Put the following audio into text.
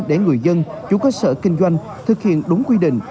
để người dân chủ cơ sở kinh doanh thực hiện đúng quy định